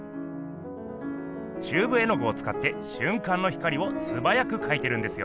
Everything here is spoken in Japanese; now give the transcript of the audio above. チューブ絵具をつかってしゅん間の光をすばやくかいてるんですよ。